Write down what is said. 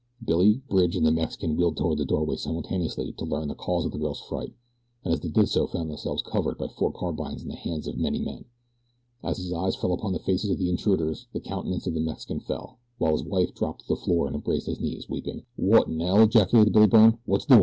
Billy, Bridge, and the Mexican wheeled toward the doorway simultaneously to learn the cause of the girl's fright, and as they did so found themselves covered by four carbines in the hands of as many men. As his eyes fell upon the faces of the intruders the countenance of the Mexican fell, while his wife dropped to the floor and embraced his knees, weeping. "Wotinell?" ejaculated Billy Byrne. "What's doin'?"